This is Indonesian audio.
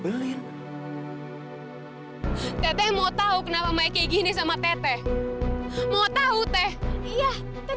udah jam segini belum pulang